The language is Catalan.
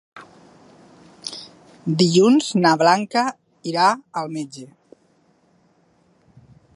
Dilluns na Blanca irà al metge.